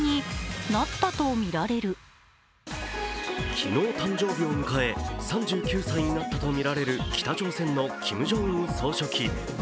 昨日、誕生日を迎え、３９歳になったとみられる北朝鮮のキム・ジョンウン総書記。